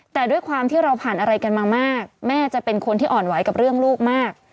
แต่ด้วยความที่เราผ่านอะไรกันมามากแม่จะเป็นคนที่อ่อนไหวกับเรื่องลูกมาก